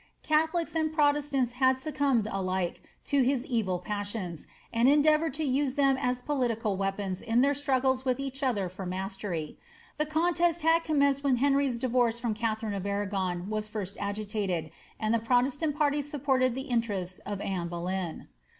Catholics and protestants had succumbed alike to his evil pasnons, and endeavoured to use them as political weapons in their struggles with each other for mastery. The contest had commenced when Henry's divorce from Katharine of Arragon was first agitated, and the protestant party supported the interests of Anne Boleyn.'